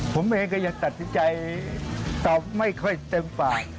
ผมเองก็ยังตัดสินใจตอบไม่ค่อยเต็มปาก